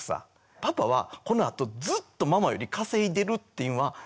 パパはこのあとずっとママより稼いでるっていうのは前提ないですよね。